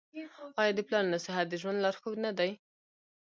آیا د پلار نصیحت د ژوند لارښود نه دی؟